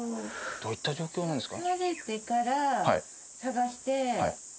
どういった状況なんですか？